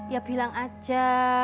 ya bilang aja